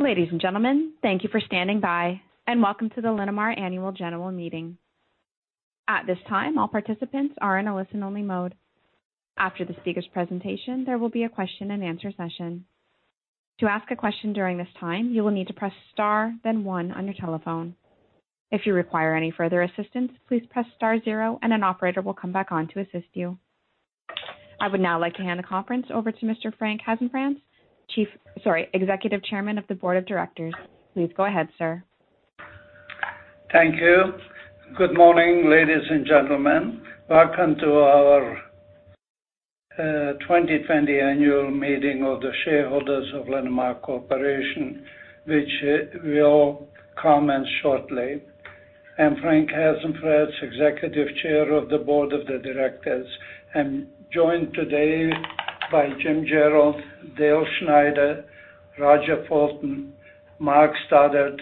Ladies and gentlemen, thank you for standing by, and welcome to the Linamar Annual General Meeting. At this time, all participants are in a listen-only mode. After the speaker's presentation, there will be a question-and-answer session. To ask a question during this time, you will need to press star then one on your telephone. If you require any further assistance, please press star zero and an operator will come back on to assist you. I would now like to hand the conference over to Mr. Frank Hasenfratz, Executive Chairman of the Board of Directors. Please go ahead, sir. Thank you. Good morning, ladies and gentlemen. Welcome to our 2020 Annual Meeting of the Shareholders of Linamar Corporation, which will commence shortly. I'm Frank Hasenfratz, Executive Chair of the Board of the Directors, and joined today by Jim Jarrell, Dale Schneider, Roger Fulton, Mark Stoddart,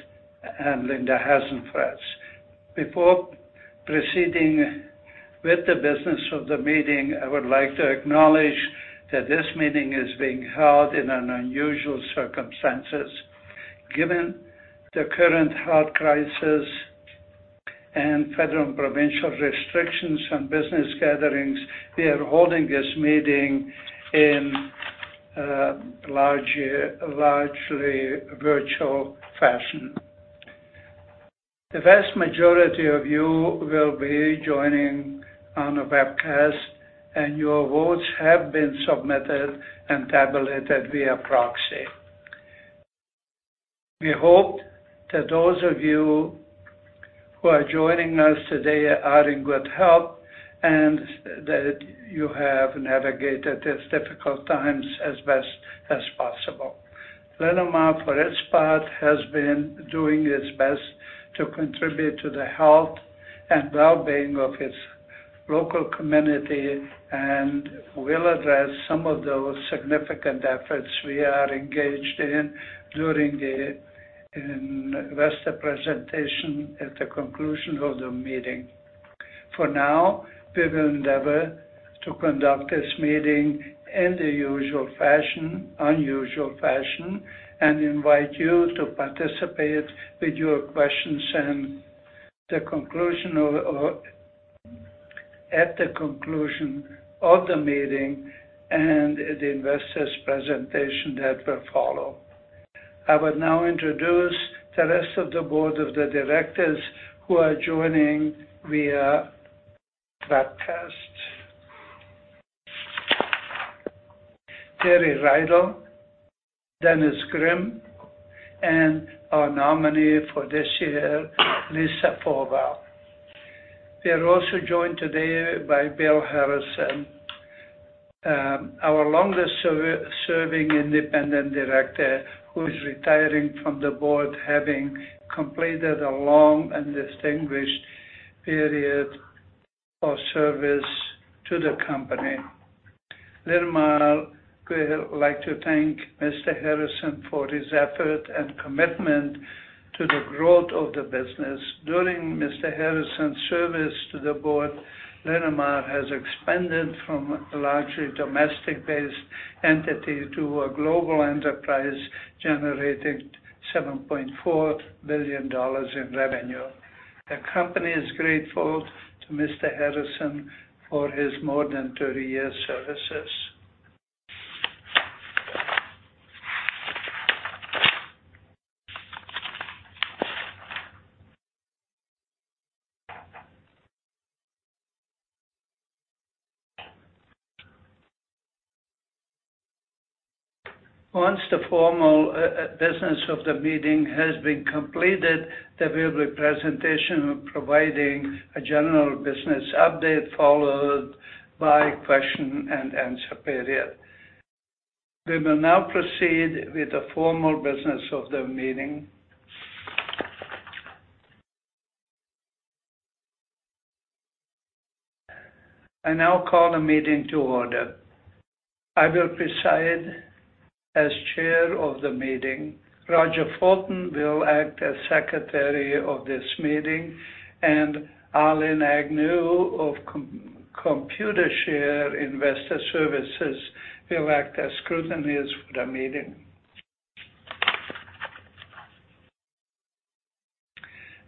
and Linda Hasenfratz. Before proceeding with the business of the meeting, I would like to acknowledge that this meeting is being held in an unusual circumstances. Given the current health crisis and federal and provincial restrictions on business gatherings, we are holding this meeting in a largely virtual fashion. The vast majority of you will be joining on a webcast, and your votes have been submitted and tabulated via proxy. We hope that those of you who are joining us today are in good health, and that you have navigated these difficult times as best as possible. Linamar, for its part, has been doing its best to contribute to the health and well-being of its local community and will address some of those significant efforts we are engaged in during the investor presentation at the conclusion of the meeting. For now, we will endeavor to conduct this meeting in the unusual fashion and invite you to participate with your questions at the conclusion of the meeting and the investors presentation that will follow. I would now introduce the rest of the Board of Directors who are joining via webcast. Terry Reidel, Dennis Grimm, and our nominee for this year, Lisa Fowell. We are also joined today by Bill Harrison, our longest-serving Independent Director, who is retiring from the Board having completed a long and distinguished period of service to the company. Linamar would like to thank Mr. Harrison for his effort and commitment to the growth of the business. During Mr. Harrison's service to the Board, Linamar has expanded from a largely domestic-based entity to a global enterprise generating 7.4 billion dollars in revenue. The company is grateful to Mr. Harrison for his more than 30 years services. Once the formal business of the meeting has been completed, there will be a presentation providing a general business update followed by question-and-answer period. We will now proceed with the formal business of the meeting. I now call the meeting to order. I will preside as Chair of the meeting. Roger Fulton will act as Secretary of this meeting, and Arlene Agnew of Computershare Investor Services will act as scrutineers for the meeting.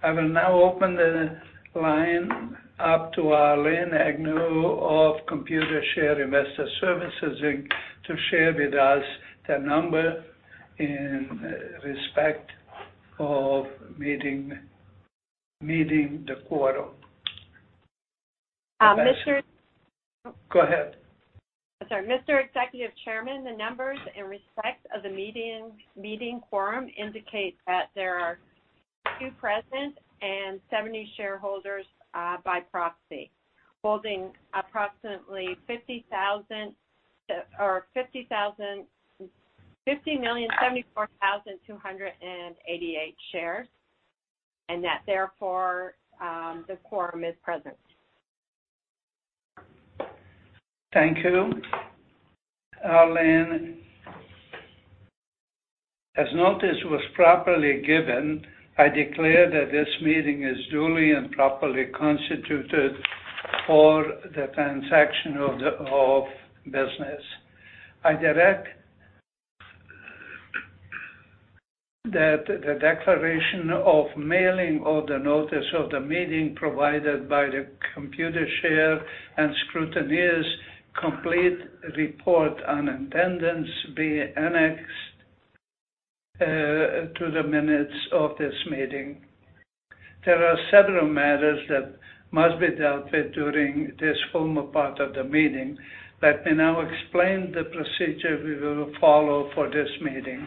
I will now open the line up to Arlene Agnew of Computershare Investor Services Inc to share with us the number in respect of meeting the quorum. Mr. Go ahead. I'm sorry. Mr. Executive Chairman, the numbers in respect of the meeting quorum indicate that there are two present and 70 shareholders by proxy, holding approximately 50,074,288 shares. That therefore, the quorum is present. Thank you, Arlene. As notice was properly given, I declare that this meeting is duly and properly constituted. For the transaction of business, I direct that the declaration of mailing of the notice of the meeting provided by the Computershare and scrutineers' complete report on attendance be annexed to the minutes of this meeting. There are several matters that must be dealt with during this formal part of the meeting. Let me now explain the procedure we will follow for this meeting.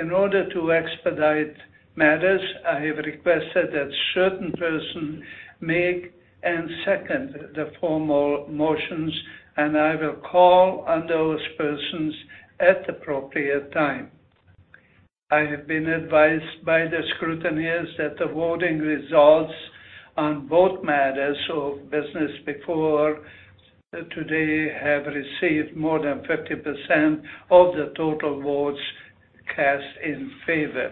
In order to expedite matters, I have requested that a certain person make and second the formal motions, and I will call on those persons at the appropriate time. I have been advised by the scrutineers that the voting results on both matters of business before today have received more than 50% of the total votes cast in favor.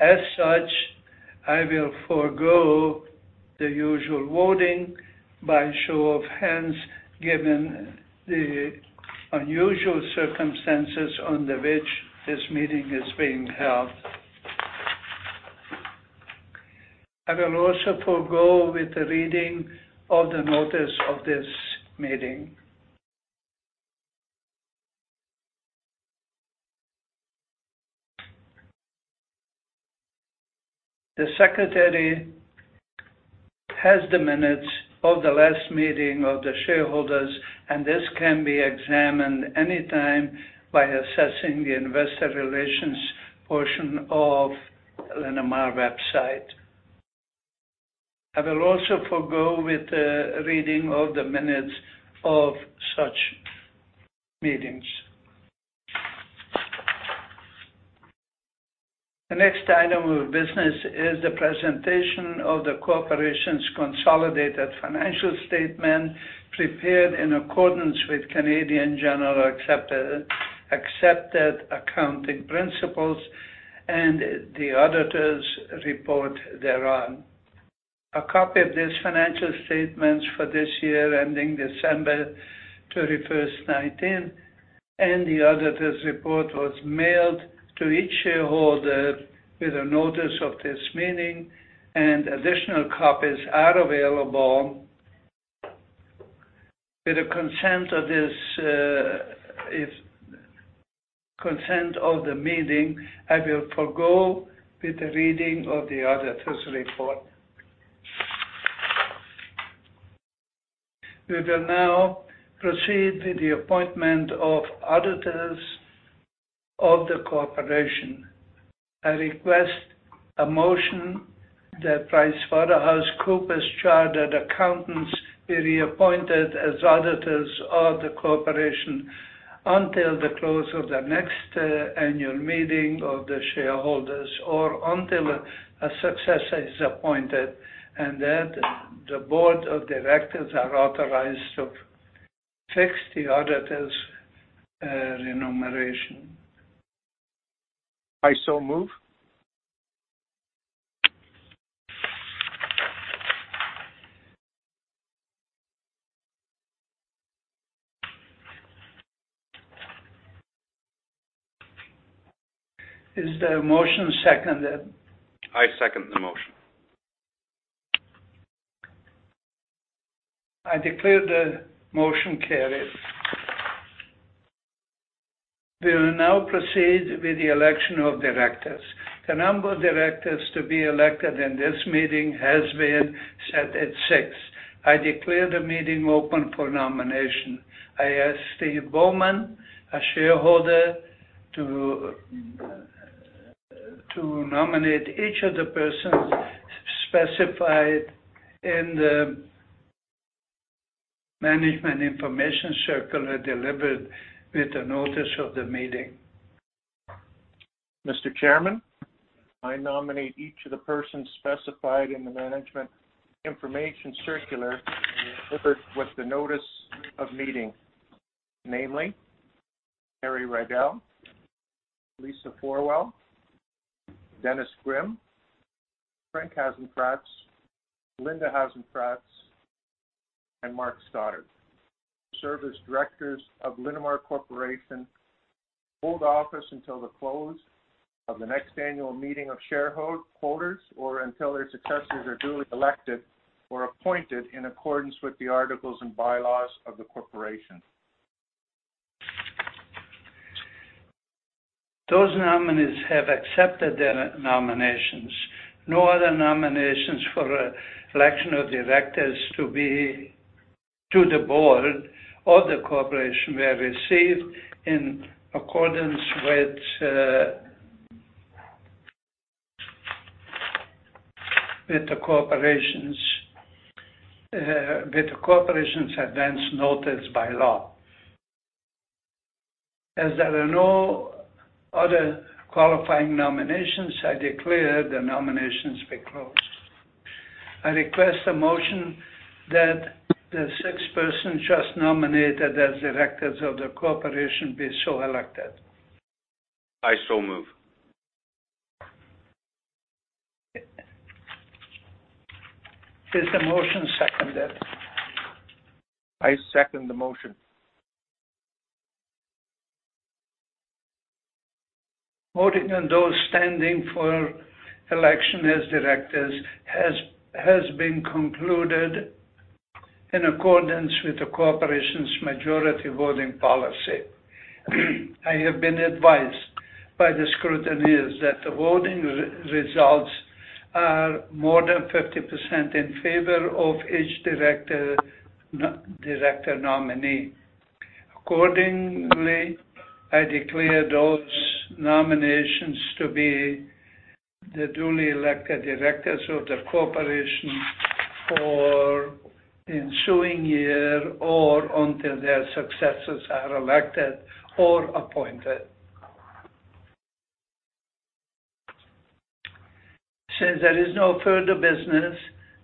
As such, I will forego the usual voting by show of hands, given the unusual circumstances under which this meeting is being held. I will also forego with the reading of the notice of this meeting. The Secretary has the minutes of the last meeting of the shareholders, and this can be examined anytime by assessing the Investor Relations portion of Linamar website. I will also forego with the reading of the minutes of such meetings. The next item of business is the presentation of the corporation's consolidated financial statement prepared in accordance with Canadian Generally Accepted Accounting Principles and the auditor's report thereon. A copy of these financial statements for this year ending December 31st, 2019, and the auditor's report was mailed to each shareholder with a notice of this meeting, and additional copies are available. With consent of the meeting, I will forego with the reading of the auditor's report. We will now proceed with the appointment of auditors of the corporation. I request a motion that PricewaterhouseCoopers Chartered Accountants be reappointed as auditors of the corporation until the close of the next annual meeting of the shareholders or until a successor is appointed, and that the Board of Directors are authorized to fix the auditor's remuneration. I so move. Is the motion seconded? I second the motion. I declare the motion carried. We will now proceed with the election of directors. The number of directors to be elected in this meeting has been set at six. I declare the meeting open for nomination. I ask Steve Bowman, a shareholder, to nominate each of the persons specified in the Management Information Circular delivered with the notice of the meeting. Mr. Chairman, I nominate each of the persons specified in the Management Information Circular delivered with the notice of meeting, namely Terry Reidel, Lisa Fowell, Dennis Grimm, Frank Hasenfratz, Linda Hasenfratz, and Mark Stoddart, to serve as directors of Linamar Corporation, hold office until the close of the next Annual Meeting of Shareholders, or until their successors are duly elected or appointed in accordance with the articles and bylaws of the corporation. Those nominees have accepted their nominations. No other nominations for election of directors to the Board of the corporation were received in accordance with the corporation's advance notice bylaw. As there are no other qualifying nominations, I declare the nominations be closed. I request a motion that the six persons just nominated as directors of the corporation be so elected. I so move. Is the motion seconded? I second the motion. Voting on those standing for election as directors has been concluded in accordance with the corporation's majority voting policy. I have been advised by the scrutineers that the voting results are more than 50% in favor of each director nominee. Accordingly, I declare those nominations to be the duly elected directors of the corporation for ensuing year or until their successors are elected or appointed. Since there is no further business,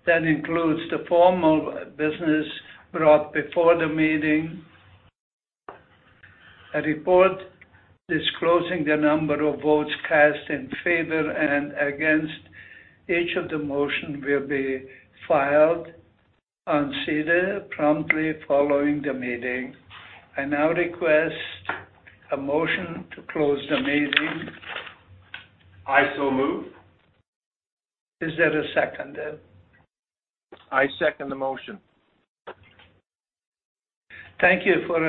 that includes the formal business brought before the meeting, a report disclosing the number of votes cast in favor and against each of the motion will be filed on SEDAR promptly following the meeting. I now request a motion to close the meeting. I so move. Is there a seconder? I second the motion. Thank you for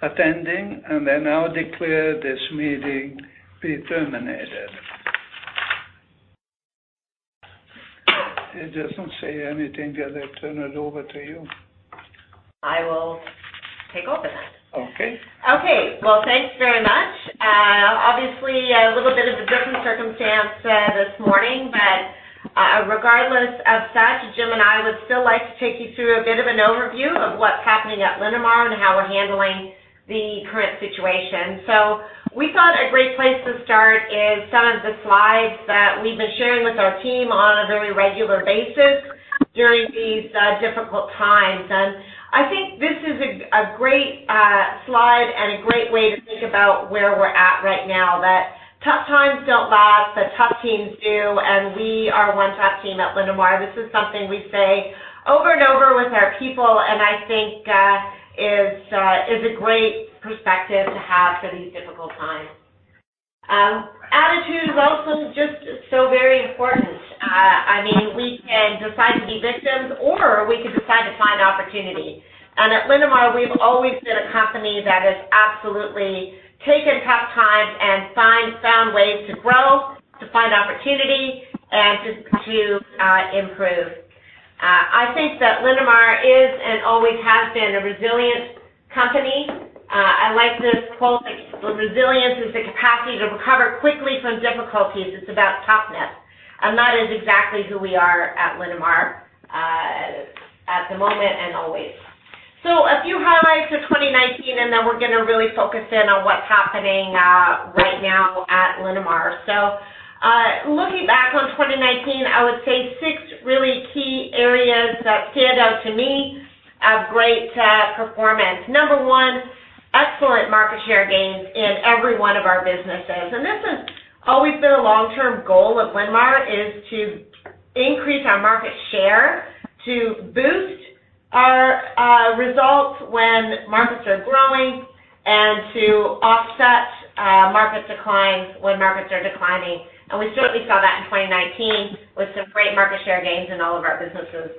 attending. I now declare this meeting be terminated. It doesn't say anything that I turn it over to you. I will take over, then. Okay. Okay. Well, thanks very much. Obviously, a little bit of a different circumstance this morning. Regardless of such, Jim and I would still like to take you through a bit of an overview of what's happening at Linamar and how we're handling the current situation. We thought a great place to start is some of the slides that we've been sharing with our team on a very regular basis during these difficult times. I think this is a great slide and a great way to think about where we're at right now, that tough times don't last, but tough teams do, and we are one tough team at Linamar. This is something we say over and over with our people, and I think is a great perspective to have for these difficult times. Attitude is also just so very important. We can decide to be victims, or we can decide to find opportunity. At Linamar, we've always been a company that has absolutely taken tough times and found ways to grow, to find opportunity, and just to improve. I think that Linamar is and always has been a resilient company. I like this quote, "Resilience is the capacity to recover quickly from difficulties. It's about toughness." That is exactly who we are at Linamar, at the moment and always. A few highlights of 2019, and then we're going to really focus in on what's happening right now at Linamar. Looking back on 2019, I would say six really key areas that stand out to me of great performance. Number one, excellent market share gains in every one of our businesses. This has always been a long-term goal of Linamar is to increase our market share, to boost our results when markets are growing and to offset market declines when markets are declining. We certainly saw that in 2019 with some great market share gains in all of our businesses.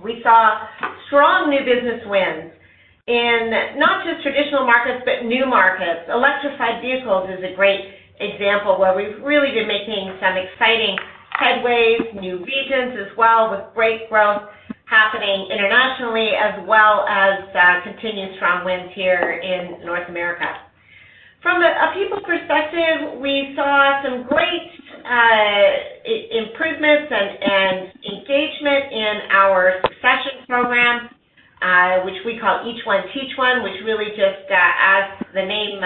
We saw strong new business wins in not just traditional markets but new markets. Electrified vehicles is a great example where we've really been making some exciting headways, new regions as well, with great growth happening internationally as well as continued strong wins here in North America. From a people perspective, we saw some great improvements and engagement in our succession program, which we call Each One Teach One, which really just, as the name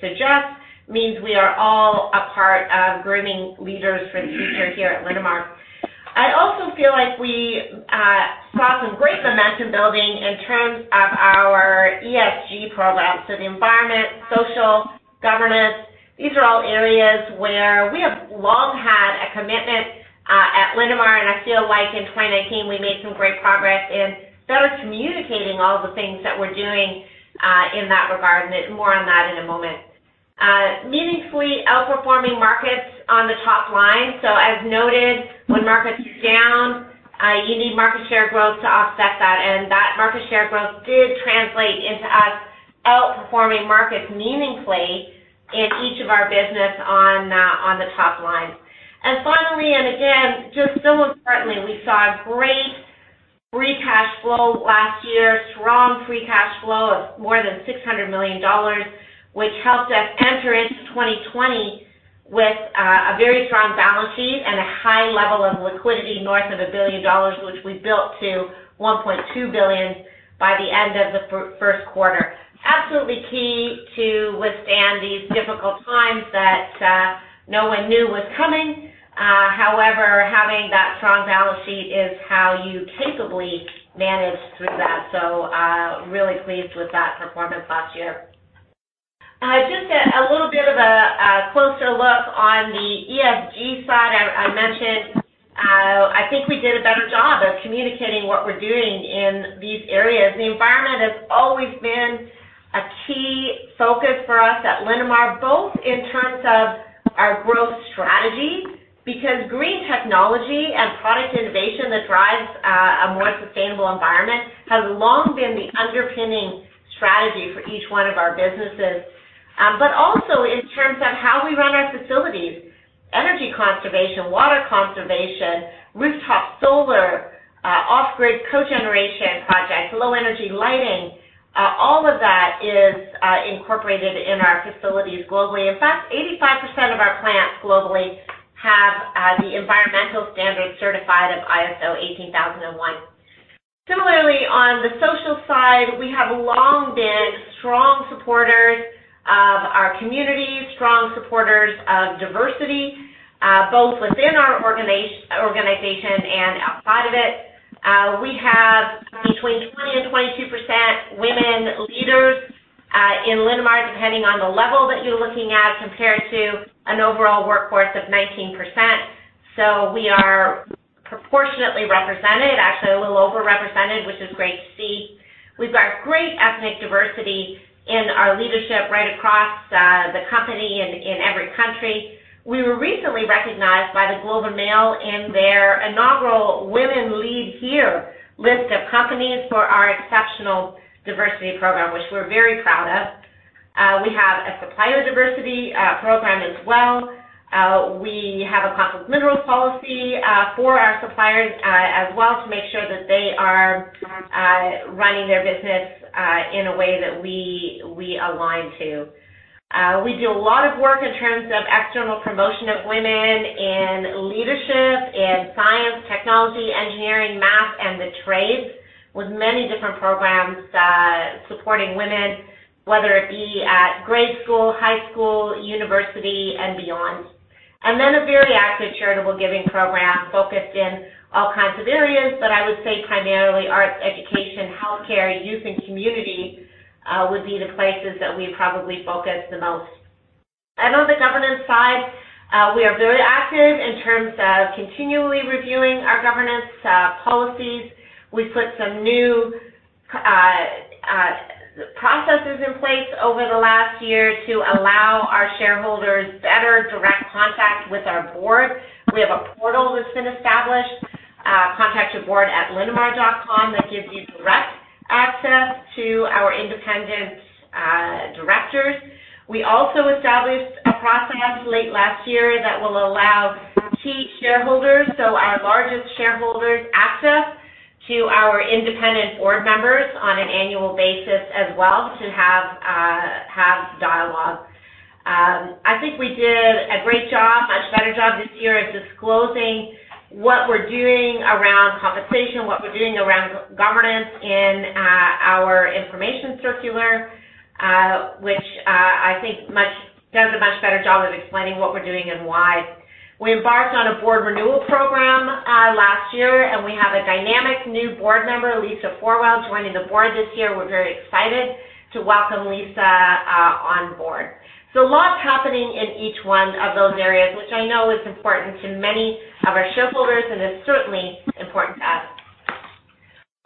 suggests, means we are all a part of grooming leaders for the future here at Linamar. I also feel like we saw some great momentum building in terms of our ESG programs. The environment, social, governance, these are all areas where we have long had a commitment at Linamar, and I feel like in 2019, we made some great progress in better communicating all the things that we're doing in that regard, and more on that in a moment. Meaningfully outperforming markets on the top line. As noted, when markets are down, you need market share growth to offset that, and that market share growth did translate into us outperforming markets meaningfully in each of our business on the top line. Finally, and again, just most importantly, we saw great free cash flow last year, strong free cash flow of more than 600 million dollars, which helped us enter into 2020 with a very strong balance sheet and a high level of liquidity north of 1 billion dollars, which we built to 1.2 billion by the end of the first quarter. Absolutely key to withstand these difficult times that no one knew was coming. However is how you capably manage through that. Really pleased with that performance last year. Just a little bit of a closer look on the ESG side I mentioned. I think we did a better job of communicating what we're doing in these areas. The environment has always been a key focus for us at Linamar, both in terms of our growth strategy, because green technology and product innovation that drives a more sustainable environment has long been the underpinning strategy for each one of our businesses. Also in terms of how we run our facilities, energy conservation, water conservation, rooftop solar, off-grid cogeneration projects, low-energy lighting, all of that is incorporated in our facilities globally. In fact, 85% of our plants globally have the environmental standards certified of ISO 14001. Similarly, on the social side, we have long been strong supporters of our communities, strong supporters of diversity, both within our organization and outside of it. We have between 20% and 22% women leaders in Linamar, depending on the level that you're looking at, compared to an overall workforce of 19%. We are proportionately represented, actually a little over-represented, which is great to see. We've got great ethnic diversity in our leadership right across the company and in every country. We were recently recognized by The Globe and Mail in their inaugural Women Lead Here list of companies for our exceptional diversity program, which we're very proud of. We have a supplier diversity program as well. We have a conflict mineral policy for our suppliers as well to make sure that they are running their business in a way that we align to. We do a lot of work in terms of external promotion of women in leadership, in science, technology, engineering, math, and the trades, with many different programs supporting women, whether it be at grade school, high school, university, and beyond. A very active charitable giving program focused in all kinds of areas, but I would say primarily arts, education, healthcare, youth, and community would be the places that we probably focus the most. On the governance side, we are very active in terms of continually reviewing our governance policies. We put some new processes in place over the last year to allow our shareholders better direct contact with our Board. We have a portal that's been established, contactyourboard@linamar.com, that gives you direct access to our independent directors. We also established a process late last year that will allow key shareholders, so our largest shareholders, access to our independent Board members on an annual basis as well to have dialogue. I think we did a great job, much better job this year at disclosing what we're doing around compensation, what we're doing around governance in our information circular, which I think does a much better job of explaining what we're doing and why. We embarked on a Board renewal program last year, and we have a dynamic new Board member, Lisa Fowell, joining the Board this year. We're very excited to welcome Lisa onboard. Lots happening in each one of those areas, which I know is important to many of our shareholders, and it's certainly important to us.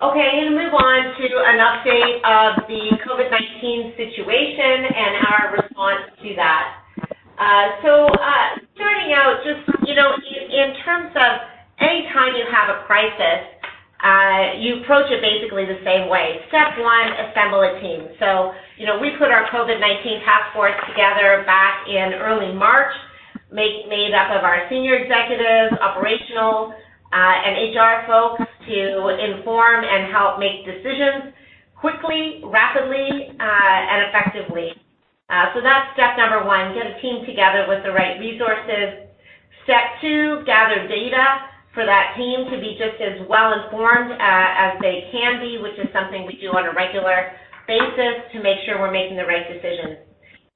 I'm going to move on to an update of the COVID-19 situation and our response to that. Starting out, just in terms of any time you have a crisis, you approach it basically the same way. Step one, assemble a team. We put our COVID-19 task force together back in early March, made up of our senior executives, operational, and HR folks to inform and help make decisions quickly, rapidly, and effectively. That's step number one, get a team together with the right resources. Step two, gather data for that team to be just as well-informed as they can be, which is something we do on a regular basis to make sure we're making the right decisions.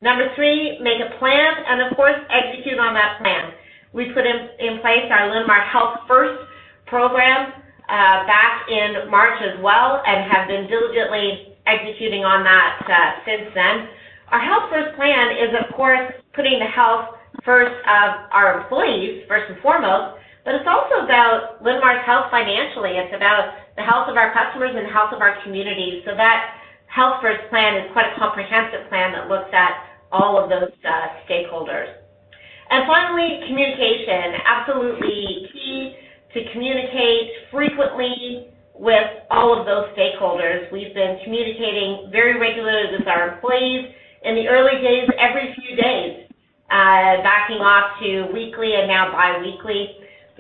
Number three, make a plan, and of course, execute on that plan. We put in place our Linamar Health First program back in March as well and have been diligently executing on that since then. Our Health First plan is, of course, putting the health first of our employees, first and foremost, but it's also about Linamar's health financially. It's about the health of our customers and the health of our community. That Health First plan is quite a comprehensive plan that looks at all of those stakeholders. Finally, communication. Absolutely key to communicate frequently with all of those stakeholders. We've been communicating very regularly with our employees. In the early days, every few days, backing off to weekly and now biweekly.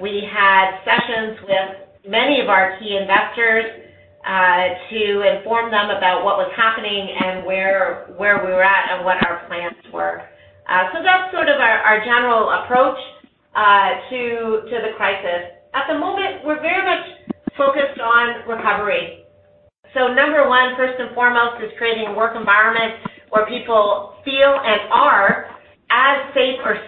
We had sessions with many of our key investors to inform them about what was happening and where we were at and what our plans were. That's sort of our general approach to the crisis. At the moment, we're very much focused on recovery. Number one, first and foremost, is creating a work environment where people feel and are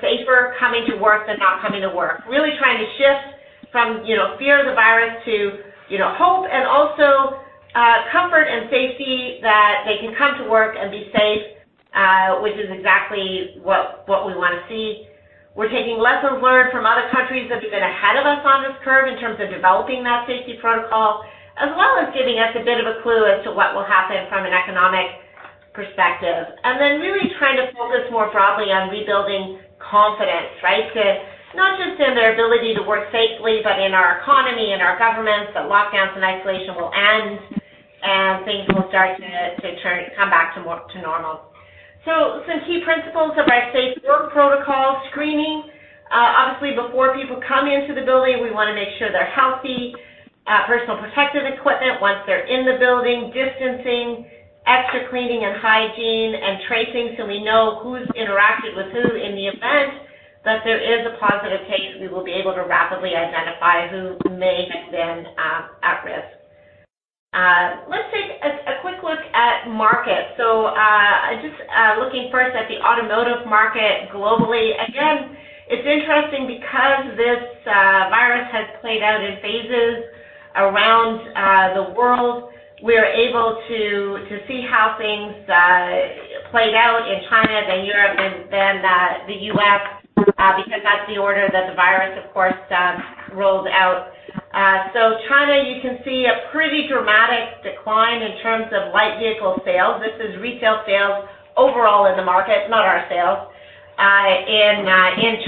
safer coming to work than not coming to work. Really trying to shift from fear of the virus to hope, and also comfort and safety that they can come to work and be safe, which is exactly what we want to see. We're taking lessons learned from other countries that have been ahead of us on this curve in terms of developing that safety protocol, as well as giving us a bit of a clue as to what will happen from an economic perspective. Really trying to focus more broadly on rebuilding confidence. To not just in their ability to work safely, but in our economy and our governments, that lockdowns and isolation will end, and things will start to come back to normal. Some key principles of our safe work protocol: Screening, obviously before people come into the building, we want to make sure they're healthy. Personal protective equipment once they're in the building, distancing, extra cleaning and hygiene, and tracing so we know who's interacted with who in the event that there is a positive case, we will be able to rapidly identify who may have been at risk. Let's take a quick look at markets. Just looking first at the automotive market globally. Again, it's interesting because this virus has played out in phases around the world. We're able to see how things played out in China, then Europe, and then the U.S., because that's the order that the virus, of course, rolled out. China, you can see a pretty dramatic decline in terms of light vehicle sales. This is retail sales overall in the market, not our sales, in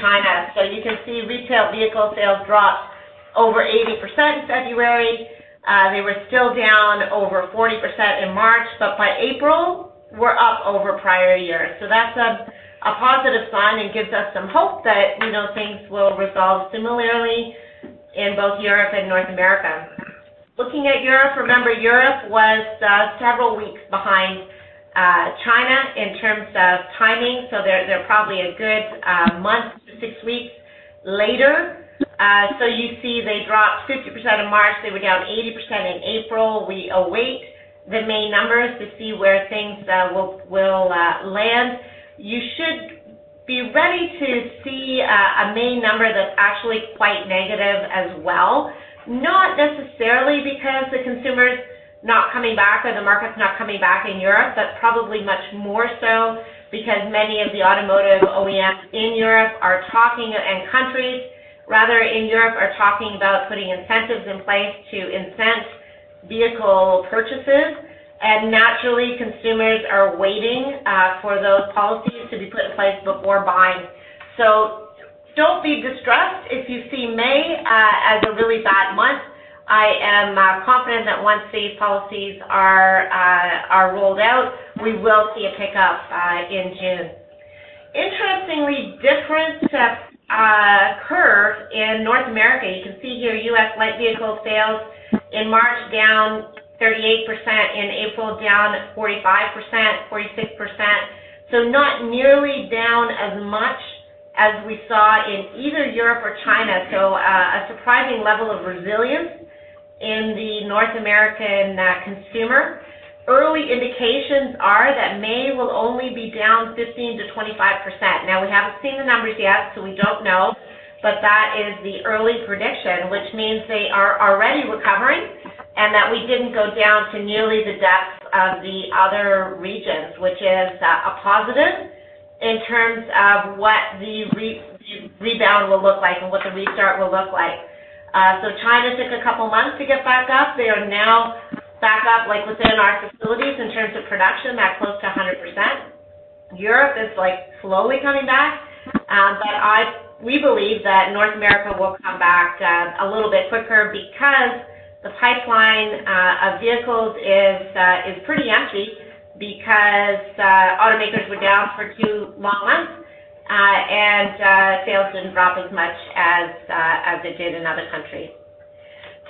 China. You can see retail vehicle sales dropped over 80% in February. They were still down over 40% in March, but by April, were up over prior years. That's a positive sign and gives us some hope that things will resolve similarly in both Europe and North America. Looking at Europe, remember, Europe was several weeks behind China in terms of timing, so they're probably a good month to six weeks later. You see they dropped 50% in March, they were down 80% in April. We await the May numbers to see where things will land. You should be ready to see a May number that's actually quite negative as well, not necessarily because the consumer's not coming back or the market's not coming back in Europe, but probably much more so because many of the automotive OEMs in Europe and countries, rather, in Europe, are talking about putting incentives in place to incent vehicle purchases. Naturally, consumers are waiting for those policies to be put in place before buying. Don't be distressed if you see May as a really bad month. I am confident that once these policies are rolled out, we will see a pickup in June. Interestingly, different curve in North America. You can see here, U.S. light vehicle sales in March down 38%, in April down 45%, 46%. Not nearly down as much as we saw in either Europe or China. A surprising level of resilience in the North American consumer. Early indications are that May will only be down 15%-25%. We haven't seen the numbers yet, so we don't know, but that is the early prediction, which means they are already recovering and that we didn't go down to nearly the depths of the other regions, which is a positive in terms of what the rebound will look like and what the restart will look like. China took a couple of months to get back up. They are now back up, within our facilities in terms of production, at close to 100%. Europe is slowly coming back. We believe that North America will come back a little bit quicker because the pipeline of vehicles is pretty empty because automakers were down for two long months, and sales didn't drop as much as it did in other countries.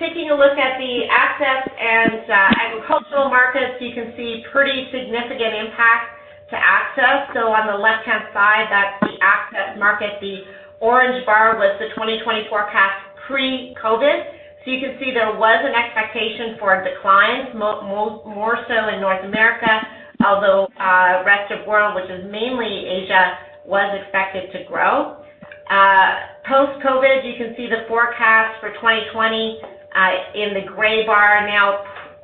Taking a look at the access and agricultural markets, you can see pretty significant impact to access. On the left-hand side, that's the access market. The orange bar was the 2020 forecast pre-COVID. You can see there was an expectation for a decline, more so in North America. Although rest of world, which is mainly Asia, was expected to grow. Post-COVID, you can see the forecast for 2020 in the gray bar now,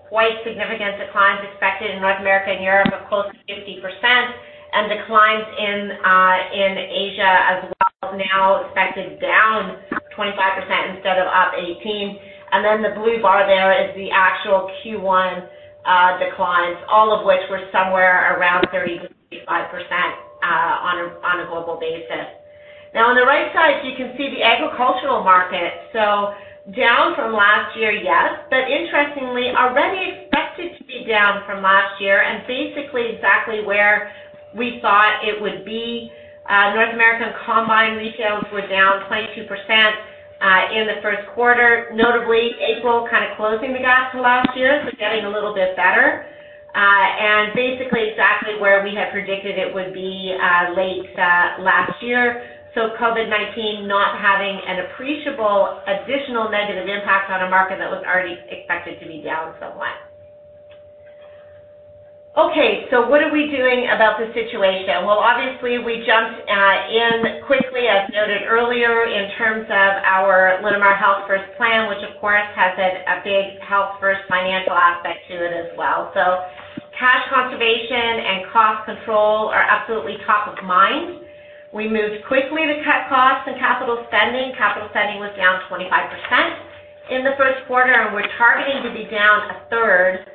quite significant declines expected in North America and Europe of close to 50%, and declines in Asia as well, now expected down 25% instead of up 18%. The blue bar there is the actual Q1 declines, all of which were somewhere around 30%-35% on a global basis. On the right side, you can see the agricultural market. Down from last year, yes. Interestingly, already expected to be down from last year and basically exactly where we thought it would be. North American combine retails were down 22% in the first quarter, notably April kind of closing the gap to last year. Getting a little bit better. Basically exactly where we had predicted it would be late last year. COVID-19 not having an appreciable additional negative impact on a market that was already expected to be down somewhat. Okay, what are we doing about the situation? Well, obviously we jumped in quickly, as noted earlier, in terms of our Linamar Health First plan, which of course, has a big Health First financial aspect to it as well. Cash conservation and cost control are absolutely top of mind. We moved quickly to cut costs and capital spending. Capital spending was down 25% in the first quarter, and we're targeting to be down 1/3,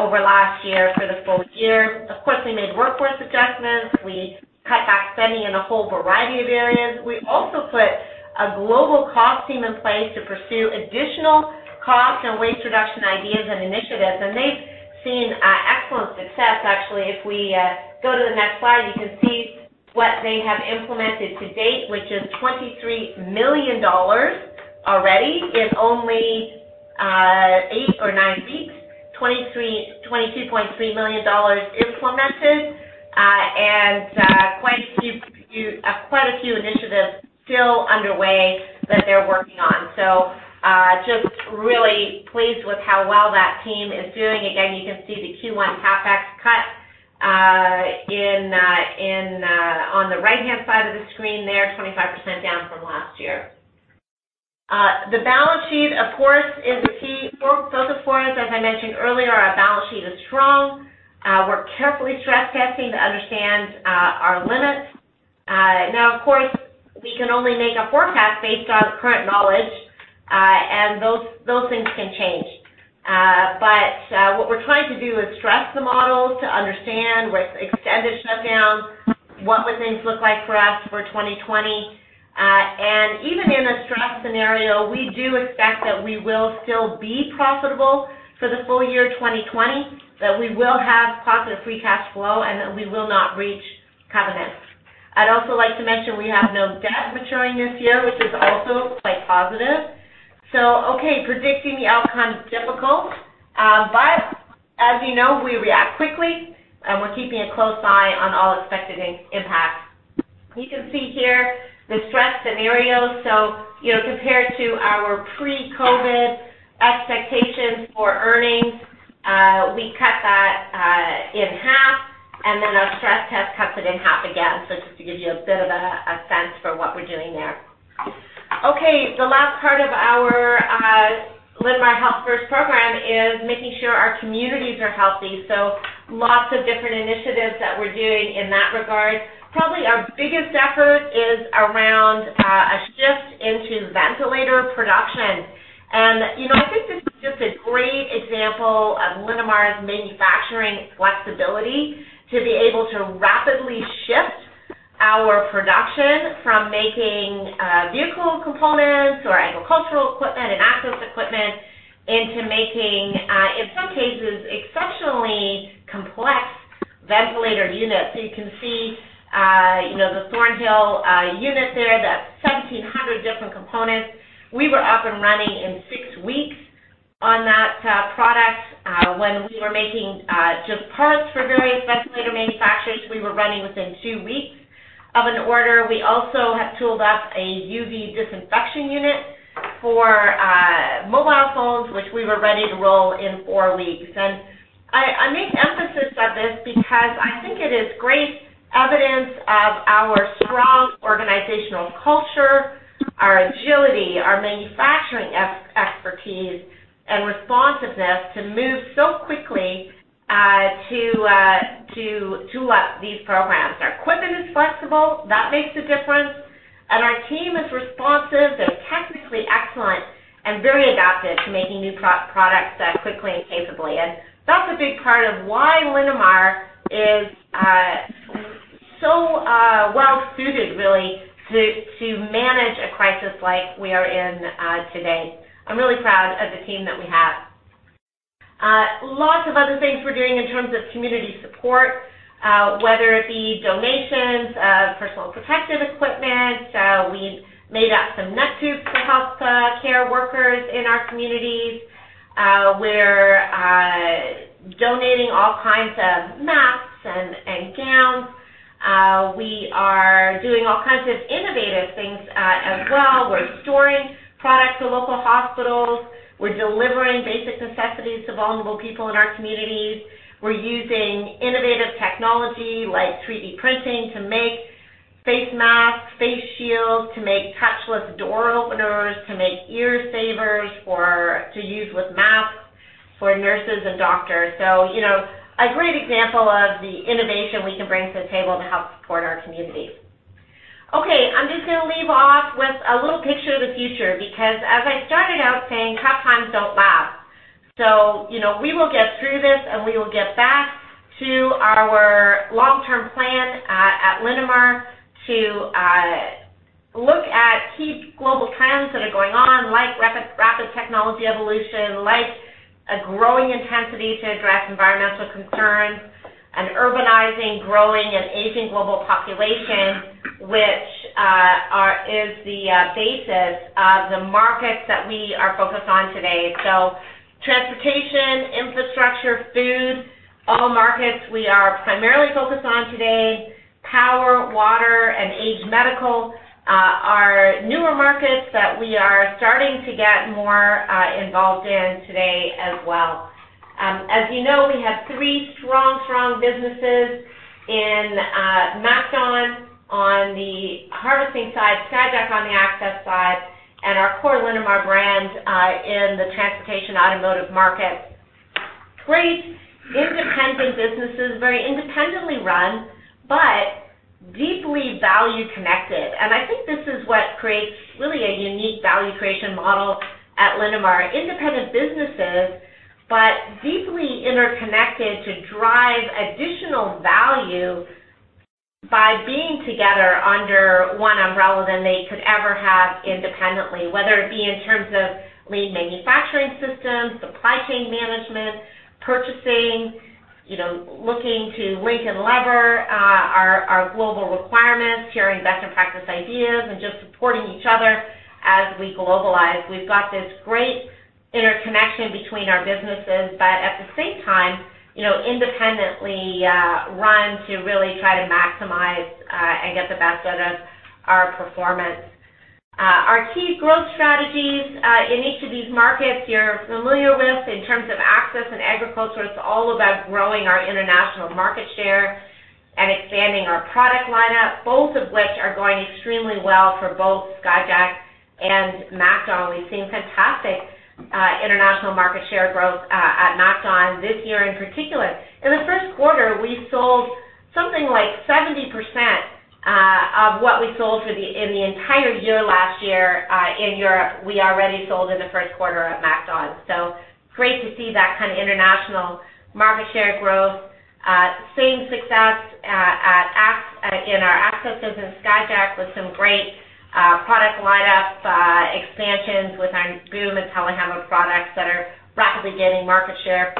over last year for the full year. Of course, we made workforce adjustments. We cut back spending in a whole variety of areas. We also put a global cost team in place to pursue additional cost and waste reduction ideas and initiatives, and they've seen excellent success. Actually, if we go to the next slide, you can see what they have implemented to date, which is 23 million dollars already in only eight or nine weeks. 22.3 million dollars implemented, and quite a few initiatives still underway that they're working on. Just really pleased with how well that team is doing. Again, you can see the Q1 CapEx cut on the right-hand side of the screen there, 25% down from last year. The balance sheet, of course, is key for us. As I mentioned earlier, our balance sheet is strong. We're carefully stress testing to understand our limits. Of course, we can only make a forecast based on current knowledge, those things can change. What we're trying to do is stress the models to understand with extended shutdowns, what would things look like for us for 2020? Even in a stress scenario, we do expect that we will still be profitable for the full year 2020, that we will have positive free cash flow, that we will not breach covenants. I'd also like to mention we have no debt maturing this year, which is also quite positive. Okay, predicting the outcome is difficult. As you know, we react quickly, we're keeping a close eye on all expected impacts. You can see here the stress scenarios. Compared to our pre-COVID expectations for earnings, we cut that in half, our stress test cuts it in half again. Just to give you a bit of a sense for what we're doing there. The last part of our Linamar Health First program is making sure our communities are healthy. Lots of different initiatives that we're doing in that regard. Probably our biggest effort is around a shift into ventilator production. I think this is just a great example of Linamar's manufacturing flexibility to be able to rapidly shift our production from making vehicle components or agricultural equipment and access equipment into making, in some cases, exceptionally complex ventilator units. You can see the Thornhill unit there, that's 1,700 different components. We were up and running in six weeks on that product. When we were making just parts for various ventilator manufacturers, we were running within two weeks of an order. We also tooled up a UV disinfection unit for mobile phones, which we were ready to roll in four weeks. I make emphasis of this because I think it is great evidence of our strong organizational culture, our agility, our manufacturing expertise, and responsiveness to move so quickly to tool up these programs. Our equipment is flexible. That makes a difference, and our team is responsive and technically excellent and very adaptive to making new products quickly and capably. That's a big part of why Linamar is so well-suited, really, to manage a crisis like we are in today. I'm really proud of the team that we have. Lots of other things we're doing in terms of community support, whether it be donations of personal protective equipment. We made up some neck tubes to help care workers in our communities. We're donating all kinds of masks and gowns. We are doing all kinds of innovative things as well. We're storing products for local hospitals. We're delivering basic necessities to vulnerable people in our communities. We're using innovative technology like 3D printing to make face masks, face shields, to make touchless door openers, to make ear savers to use with masks for nurses and doctors. A great example of the innovation we can bring to the table to help support our communities. Okay, I'm just going to leave off with a little picture of the future because as I started out saying, tough times don't last. We will get through this, and we will get back to our long-term plan at Linamar to look at key global trends that are going on, like rapid technology evolution, like a growing intensity to address environmental concerns, an urbanizing, growing, and aging global population, which is the basis of the markets that we are focused on today. Transportation, infrastructure, food, all markets we are primarily focused on today. Power, water, and medical are newer markets that we are starting to get more involved in today as well. As you know, we have three strong businesses in MacDon on the harvesting side, Skyjack on the access side, and our core Linamar brand in the transportation automotive market. Great independent businesses, very independently run, deeply value connected. I think this is what creates really a unique value creation model at Linamar. Independent businesses, deeply interconnected to drive additional value by being together under one umbrella than they could ever have independently, whether it be in terms of lean manufacturing systems, supply chain management, purchasing, looking to link and lever our global requirements, sharing best practice ideas, and just supporting each other as we globalize. We've got this great interconnection between our businesses, but at the same time, independently run to really try to maximize and get the best out of our performance. Our key growth strategies in each of these markets you're familiar with in terms of access and agriculture, it's all about growing our international market share and expanding our product lineup, both of which are going extremely well for both Skyjack and MacDon. We've seen fantastic international market share growth at MacDon this year in particular. In the first quarter, we sold something like 70% of what we sold in the entire year last year in Europe, we already sold in the first quarter at MacDon. Great to see that kind of international market share growth. Same success in our access business, Skyjack, with some great product lineup expansions with our boom and telehandler products that are rapidly gaining market share.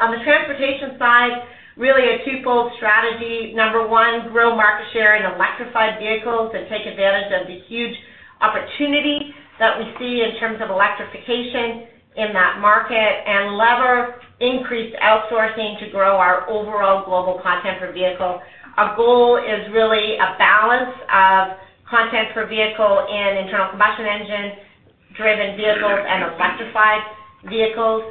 On the transportation side, really a twofold strategy. Number one, grow market share in electrified vehicles and take advantage of the huge opportunity that we see in terms of electrification in that market and lever increased outsourcing to grow our overall global content per vehicle. Our goal is really a balance of content per vehicle in internal combustion engine-driven vehicles and electrified vehicles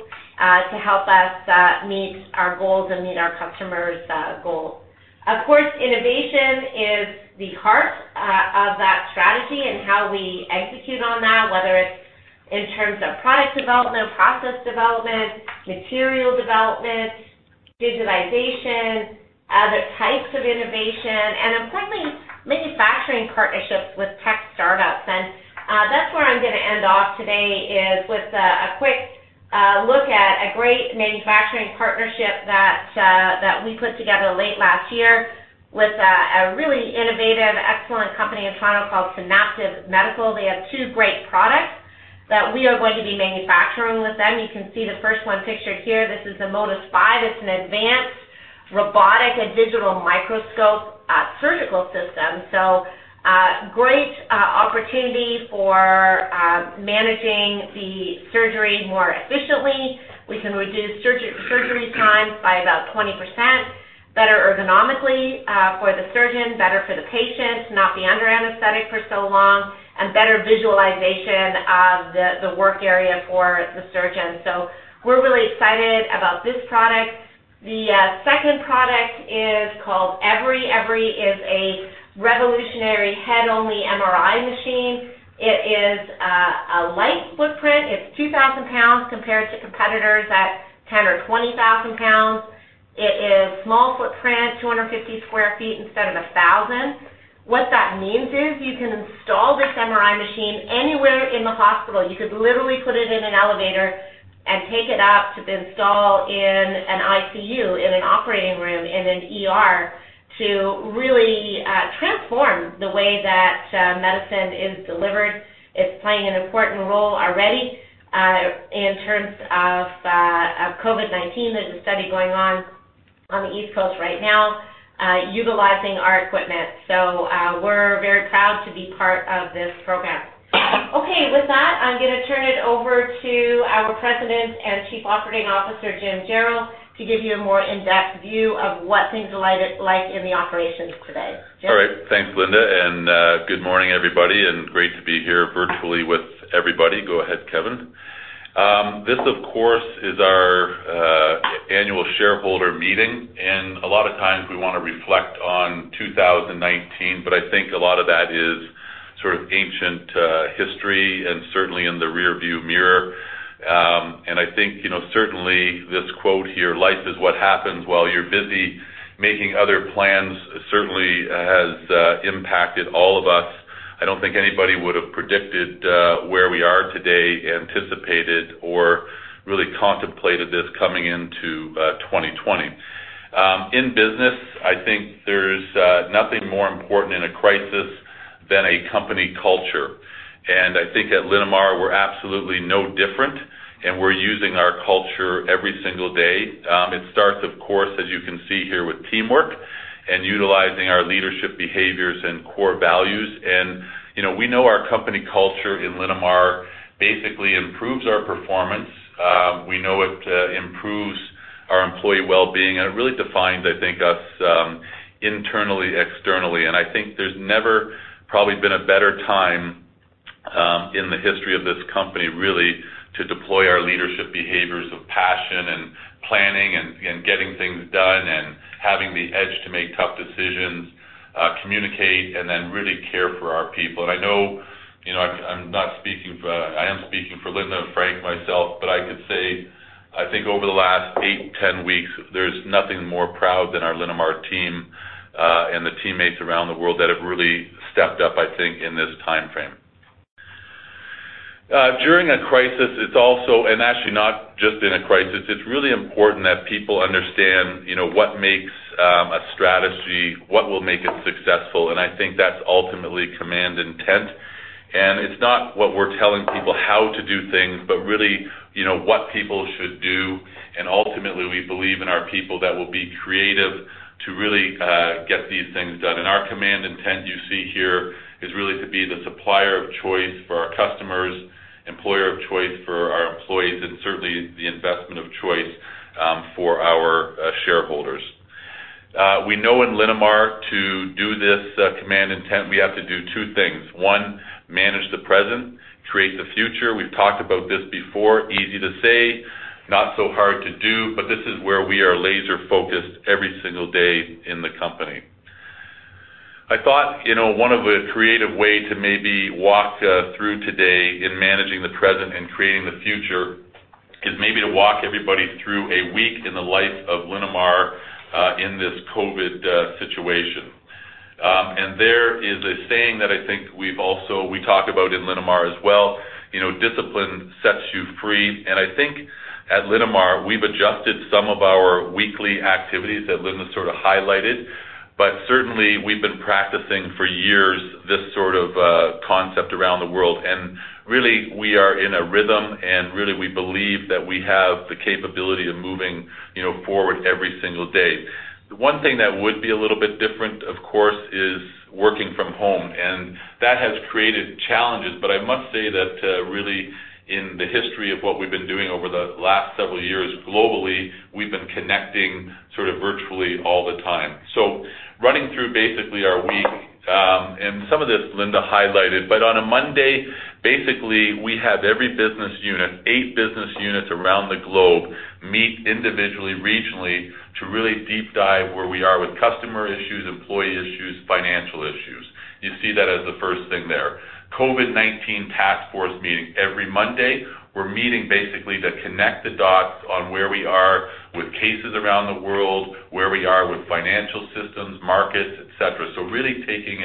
to help us meet our goals and meet our customers' goals. Of course, innovation is the heart of that strategy and how we execute on that, whether it's in terms of product development, process development, material development, digitalization, other types of innovation, and importantly, manufacturing partnerships with tech startups. That's where I'm going to end off today is with a quick look at a great manufacturing partnership that we put together late last year with a really innovative, excellent company in Toronto called Synaptive Medical. They have two great products that we are going to be manufacturing with them. You can see the first one pictured here. This is the Modus V. It's an advanced robotic and digital microscope surgical system. Great opportunity for managing the surgery more efficiently. We can reduce surgery times by about 20%, better ergonomically for the surgeon, better for the patient to not be under anesthetic for so long, and better visualization of the work area for the surgeon. We're really excited about this product. The second product is called Evry. Evry is a revolutionary head-only MRI machine. It is a light footprint. It's 2,000 lbs compared to competitors at 10,000 lbs or 20,000 lbs. It is small footprint, 250 sq ft instead of 1,000 sq ft. What that means is you can install this MRI machine anywhere in the hospital. You could literally put it in an elevator and take it up to install in an ICU, in an operating room, in an ER to really transform the way that medicine is delivered. It's playing an important role already in terms of COVID-19. There's a study going on on the East Coast right now utilizing our equipment. We're very proud to be part of this program. Okay, with that, I'm going to turn it over to our President and Chief Operating Officer, Jim Jarrell, to give you a more in-depth view of what things are like in the operations today. Jim? All right. Thanks, Linda. Good morning, everybody. Great to be here virtually with everybody. Go ahead, Kevin. This, of course, is our Annual Shareholder Meeting. A lot of times we want to reflect on 2019, but I think a lot of that is sort of ancient history and certainly in the rearview mirror. I think, certainly this quote here, "Life is what happens while you're busy making other plans," certainly has impacted all of us. I don't think anybody would have predicted where we are today, anticipated, or really contemplated this coming into 2020. In business, I think there's nothing more important in a crisis than a company culture. I think at Linamar, we're absolutely no different, and we're using our culture every single day. It starts, of course, as you can see here with teamwork and utilizing our leadership behaviors and core values. We know our company culture in Linamar basically improves our performance. We know it improves our employee wellbeing, and it really defines, I think, us internally, externally. I think there's never probably been a better time in the history of this company, really, to deploy our leadership behaviors of passion and planning and getting things done and having the edge to make tough decisions, communicate, and then really care for our people. I know I am speaking for Linda and Frank myself, but I could say, I think over the last eight, 10 weeks, there's nothing more proud than our Linamar team and the teammates around the world that have really stepped up, I think, in this timeframe. During a crisis, and actually not just in a crisis, it's really important that people understand what makes a strategy, what will make it successful, and I think that's ultimately command intent. It's not what we're telling people how to do things, but really what people should do, and ultimately, we believe in our people that will be creative to really get these things done. Our command intent you see here is really to be the supplier of choice for our customers, employer of choice for our employees, and certainly the investment of choice for our shareholders. We know in Linamar to do this command intent, we have to do two things. One, manage the present, create the future. We've talked about this before. Easy to say, not so hard to do, but this is where we are laser-focused every single day in the company. I thought one of a creative way to maybe walk through today in managing the present and creating the future is maybe to walk everybody through a week in the life of Linamar in this COVID situation. There is a saying that I think we talk about in Linamar as well, "Discipline sets you free." I think at Linamar, we've adjusted some of our weekly activities that Linda sort of highlighted, but certainly, we've been practicing for years this sort of concept around the world. Really, we are in a rhythm, and really, we believe that we have the capability of moving forward every single day. The one thing that would be a little bit different, of course, is working from home. That has created challenges, but I must say that really in the history of what we've been doing over the last several years globally, we've been connecting sort of virtually all the time. Running through basically our week, and some of this Linda highlighted, but on a Monday, basically, we have every business unit, eight business units around the globe meet individually, regionally to really deep dive where we are with customer issues, employee issues, financial issues. You see that as the first thing there. COVID-19 task force meeting. Every Monday, we're meeting basically to connect the dots on where we are with cases around the world, where we are with financial systems, markets, et cetera. Really taking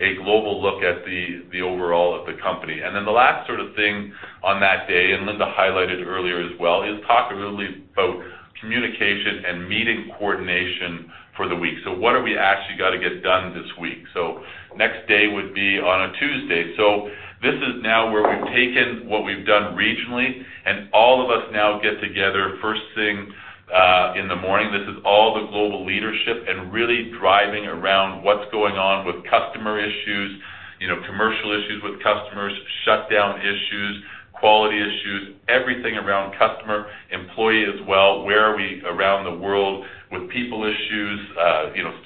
a global look at the overall of the company. Then the last sort of thing on that day, and Linda highlighted earlier as well, is talk really about communication and meeting coordination for the week. What have we actually got to get done this week? Next day would be on a Tuesday. This is now where we've taken what we've done regionally, and all of us now get together first thing in the morning. This is all the global leadership and really driving around what's going on with customer issues, commercial issues with customers, shutdown issues, quality issues, everything around customer, employee as well. Where are we around the world with people issues,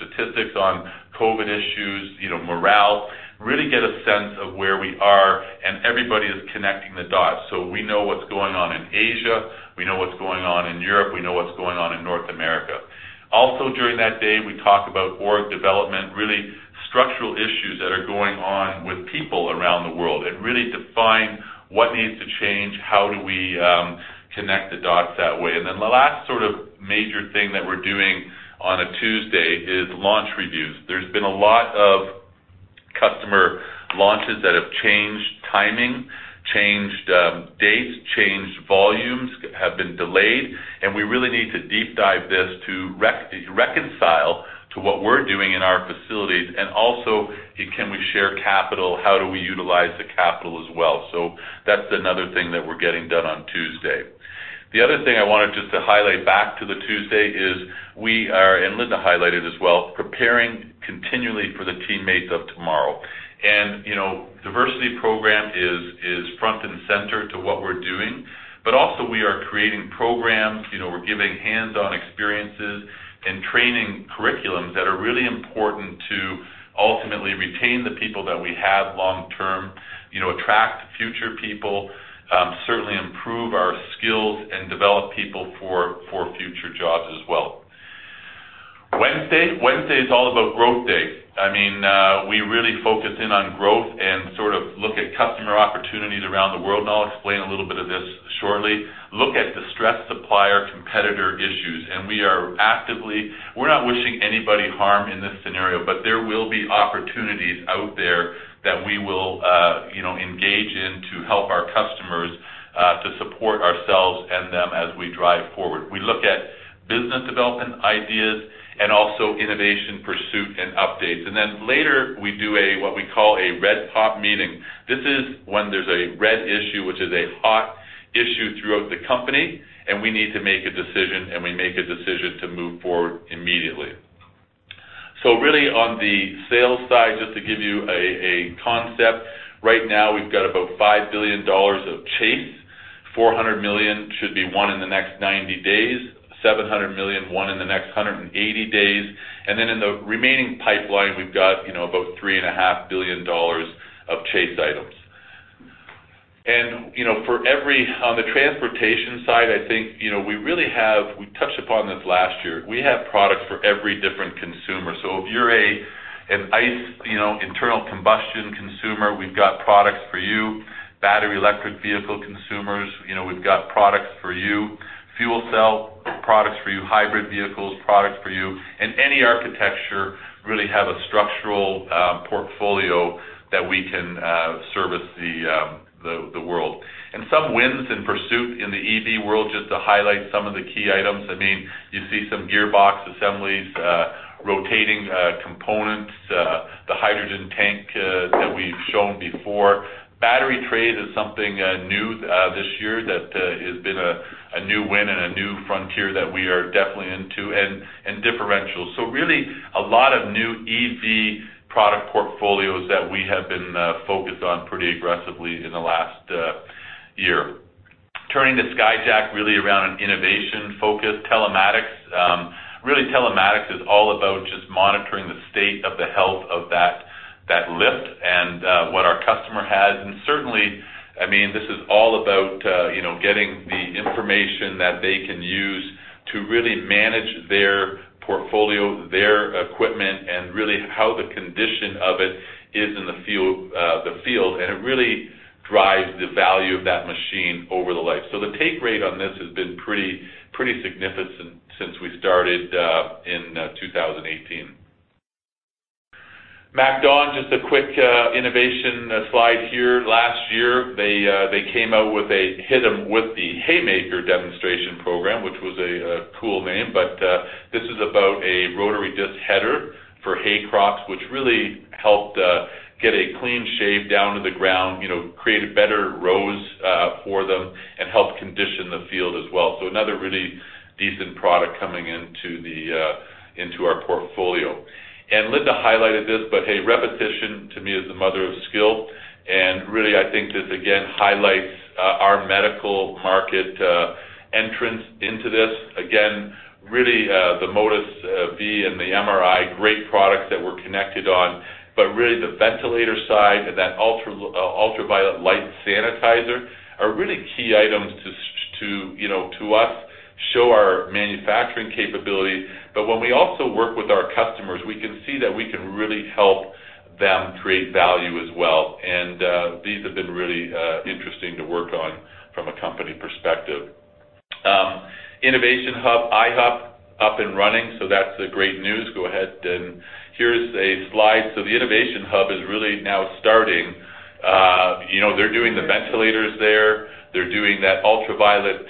statistics on COVID issues, morale. Really get a sense of where we are, and everybody is connecting the dots. We know what's going on in Asia, we know what's going on in Europe, we know what's going on in North America. Also during that day, we talk about org development, really structural issues that are going on with people around the world and really define what needs to change, how do we connect the dots that way. The last sort of major thing that we're doing on a Tuesday is launch reviews. There's been a lot of customer launches that have changed timing, changed dates, changed volumes, have been delayed, and we really need to deep dive this to reconcile to what we're doing in our facilities. Also, can we share capital? How do we utilize the capital as well? That's another thing that we're getting done on Tuesday. The other thing I wanted just to highlight back to the Tuesday is we are, and Linda highlighted as well, preparing continually for the teammates of tomorrow. Diversity program is front and center to what we're doing. Also, we are creating programs. We're giving hands-on experiences and training curriculums that are really important to ultimately retain the people that we have long-term, attract future people, certainly improve our skills, and develop people for future jobs as well. Wednesday. Wednesday is all about growth day. We really focus in on growth and sort of look at customer opportunities around the world, and I'll explain a little bit of this shortly. Look at the distressed supplier competitor issues. We're not wishing anybody harm in this scenario, but there will be opportunities out there that we will engage in to help our customers to support ourselves and them as we drive forward. We look at business development ideas and also innovation pursuit and updates. Later, we do what we call a red hot meeting. This is when there's a red issue, which is a hot issue throughout the company, and we need to make a decision, and we make a decision to move forward immediately. Really on the sales side, just to give you a concept, right now we've got about 5 billion dollars of chase, 400 million should be won in the next 90 days, 700 million won in the next 180 days. In the remaining pipeline, we've got about 3.5 billion dollars of chase items. On the transportation side, I think we touched upon this last year. We have products for every different consumer. If you're an ICE, internal combustion consumer, we've got products for you. Battery electric vehicle consumers, we've got products for you. Fuel cell, products for you. Hybrid vehicles, products for you. In any architecture, we really have a structural portfolio that we can service the world. Some wins in pursuit in the EV world, just to highlight some of the key items. You see some gearbox assemblies, rotating components, the hydrogen tank that we've shown before. Battery tray is something new this year that has been a new win and a new frontier that we are definitely into and differential. Really a lot of new EV product portfolios that we have been focused on pretty aggressively in the last year. Turning to Skyjack, really around an innovation focus. Telematics. Really telematics is all about just monitoring the state of the health of that lift and what our customer has. Certainly, this is all about getting the information that they can use to really manage their portfolio, their equipment, and really how the condition of it is in the field. It really drives the value of that machine over the life. The take rate on this has been pretty significant since we started in 2018. MacDon, just a quick innovation slide here. Last year, they came out with a Hit 'em with the Haymaker demonstration program, which was a cool name. This is about a rotary disc header for hay crops, which really helped get a clean shave down to the ground, create better rows for them, and help condition the field as well. Another really decent product coming into our portfolio. Linda highlighted this, but hey, repetition to me is the mother of skill. Really, I think this again highlights our medical market entrance into this. Again, really, the Modus V and the MRI, great products that we're connected on. Really the ventilator side and that ultraviolet light sanitizer are really key items to us, show our manufacturing capability. When we also work with our customers, we can see that we can really help them create value as well. These have been really interesting to work on from a company perspective. Innovation Hub, iHub, up and running. That's great news. Go ahead then. Here is a slide. The Innovation Hub is really now starting. They're doing the ventilators there. They're doing that ultraviolet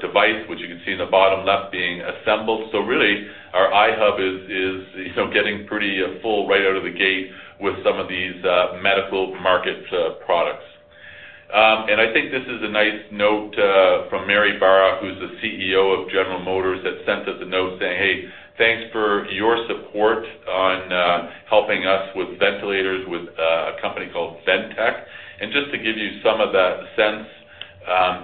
device, which you can see in the bottom left being assembled. Really, our iHub is getting pretty full right out of the gate with some of these medical market products. I think this is a nice note from Mary Barra, who's the CEO of General Motors, that sent us a note saying, "Hey, thanks for your support on helping us with ventilators with a company called Ventec." Just to give you some of that sense,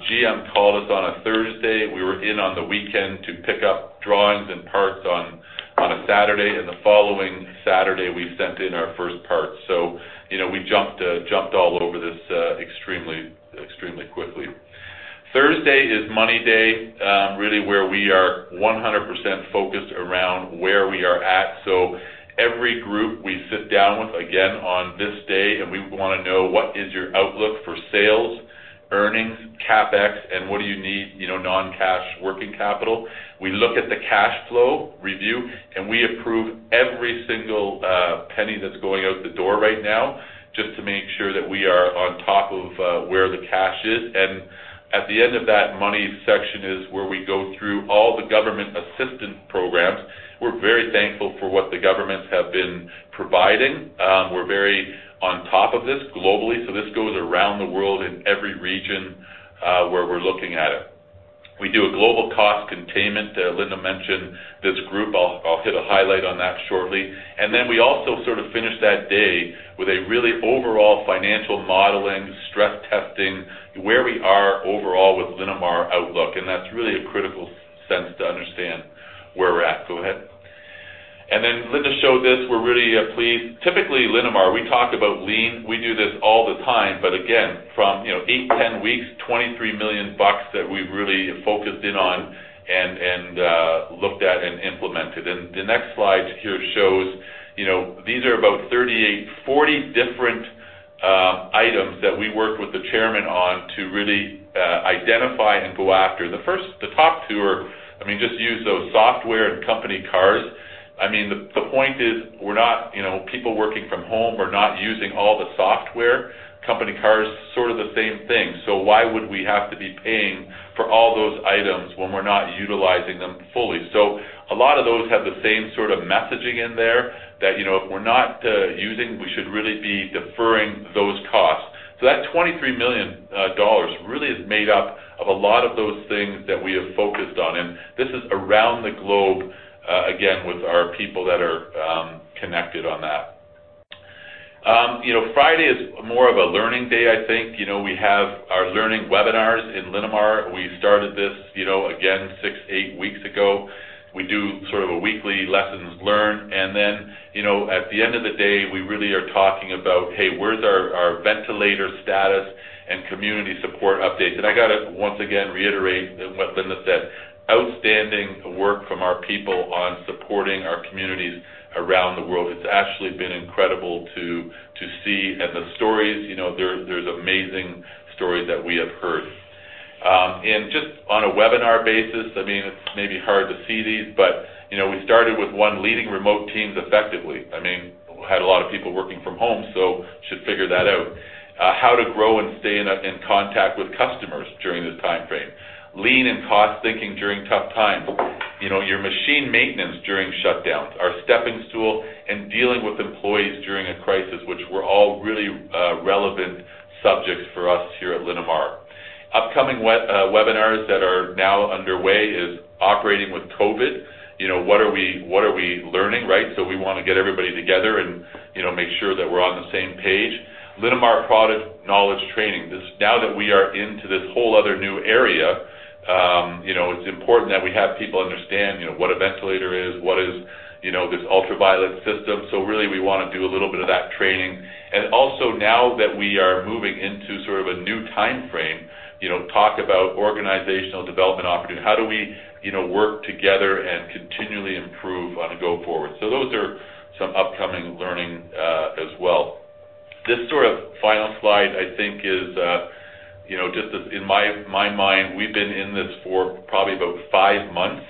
GM called us on a Thursday. We were in on the weekend to pick up drawings and parts on a Saturday, and the following Saturday, we sent in our first parts. We jumped all over this extremely quickly. Thursday is money day, really where we are 100% focused around where we are at. Every group we sit down with, again on this day, and we want to know what is your outlook for sales, earnings, CapEx, and what do you need, non-cash working capital. We look at the cash flow review, and we approve every single penny that's going out the door right now just to make sure that we are on top of where the cash is. At the end of that money section is where we go through all the government assistance programs. We're very thankful for what the governments have been providing. We're very on top of this globally. This goes around the world in every region where we're looking at it. We do a global cost containment. Linda mentioned this group. I'll hit a highlight on that shortly. We also sort of finish that day with a really overall financial modeling, stress testing, where we are overall with Linamar outlook, and that's really a critical sense to understand where we're at. Go ahead. Linda showed this. We're really pleased. Typically, Linamar, we talk about lean. We do this all the time, from eight, 10 weeks, 23 million bucks that we've really focused in on and looked at and implemented. The next slide here shows these are about 38, 40 different items that we worked with the Chairman on to really identify and go after. The top two are, just use of software and company cars. The point is people working from home are not using all the software. Company cars, sort of the same thing. Why would we have to be paying for all those items when we're not utilizing them fully? A lot of those have the same sort of messaging in there that if we're not using, we should really be deferring those costs. That 23 million dollars really is made up of a lot of those things that we have focused on, and this is around the globe, again, with our people that are connected on that. Friday is more of a learning day, I think. We have our learning webinars in Linamar. We started this, again, six, eight weeks ago. We do sort of a weekly lessons learned, then at the end of the day, we really are talking about, hey, where's our ventilator status and community support updates? I got to, once again, reiterate what Linda said, outstanding work from our people on supporting our communities around the world. It's actually been incredible to see. The stories, there's amazing stories that we have heard. Just on a webinar basis, it's maybe hard to see these, but we started with one, Leading Remote Teams Effectively. We had a lot of people working from home, should figure that out. How to Grow and Stay in Contact with Customers During This Timeframe, Lean and Cost Thinking During Tough Times, Your Machine Maintenance During Shutdowns, our Stepping Stool, and Dealing with Employees During a Crisis, which were all really relevant subjects for us here at Linamar. Upcoming webinars that are now underway is Operating with COVID. What are we learning, right? We want to get everybody together and make sure that we're on the same page. Linamar Product Knowledge Training. Now that we are into this whole other new area, it's important that we have people understand, what a ventilator is, what is this ultraviolet system. Really, we want to do a little bit of that training. Also, now that we are moving into sort of a new timeframe, talk about organizational development opportunities. How do we work together and continually improve on a go-forward? Those are some upcoming learning as well. This sort of final slide, I think is, just in my mind, we've been in this for probably about five months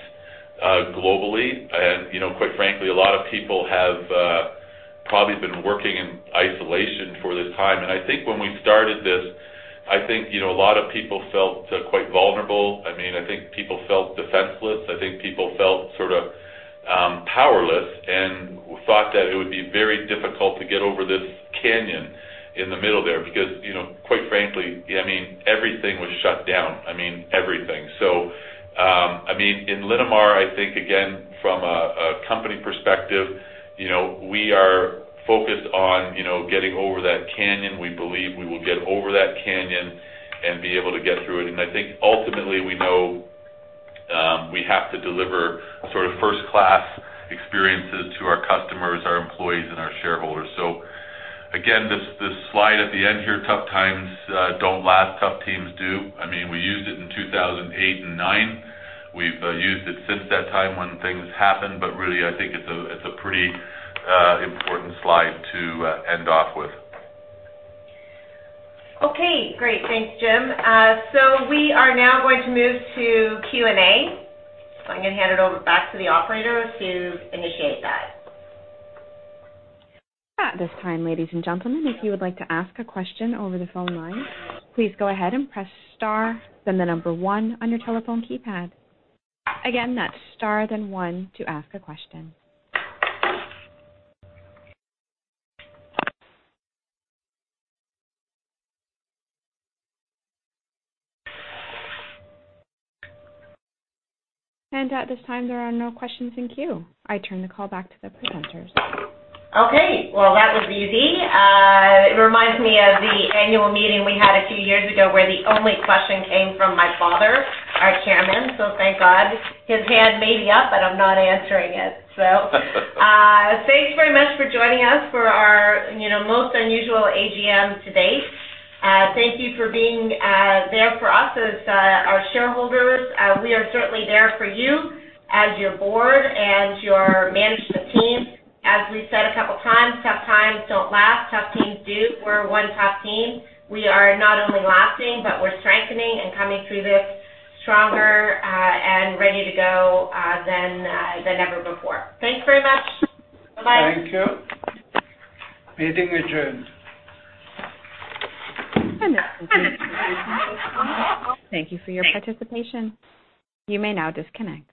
globally, and quite frankly, a lot of people have probably been working in isolation for this time. I think when we started this, I think, a lot of people felt quite vulnerable. I think people felt defenseless. I think people felt sort of powerless and thought that it would be very difficult to get over this canyon in the middle there, because quite frankly, everything was shut down. I mean, everything. In Linamar, I think, again, from a company perspective, we are focused on getting over that canyon. We believe we will get over that canyon and be able to get through it. I think ultimately we know we have to deliver sort of first-class experiences to our customers, our employees, and our shareholders. Again, this slide at the end here, "Tough times don't last, tough teams do." We used it in 2008 and 2009. We've used it since that time when things happened, really, I think it's a pretty important slide to end off with. Okay, great. Thanks, Jim. We are now going to move to Q&A. I'm going to hand it over back to the operator to initiate that. At this time, ladies and gentlemen, if you would like to ask a question over the phone lines, please go ahead and press star, then the number one on your telephone keypad. Again, that's star, then one to ask a question. At this time, there are no questions in queue. I turn the call back to the presenters. Okay. Well, that was easy. It reminds me of the annual meeting we had a few years ago where the only question came from my father, our Chairman. Thank God his hand may be up, but I'm not answering it. Thanks very much for joining us for our most unusual AGM to date. Thank you for being there for us as our shareholders. We are certainly there for you as your Board and your management team. As we've said a couple times, tough times don't last, tough teams do. We're one tough team. We are not only lasting, but we're strengthening and coming through this stronger and ready to go than ever before. Thanks very much. Bye-bye. Thank you. Meeting adjourned. Thank you for your participation. You may now disconnect.